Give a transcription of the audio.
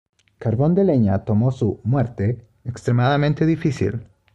Carbón de leña tomó su "muerte" extremadamente difícil.